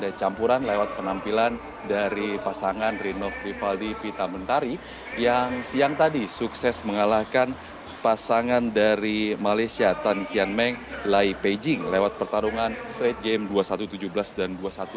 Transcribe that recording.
dan ada campuran lewat penampilan dari pasangan rino kripaldi pita mentari yang siang tadi sukses mengalahkan pasangan dari malaysia tan kian meng lai peijing lewat pertarungan straight game dua puluh satu tujuh belas dan dua puluh satu enam belas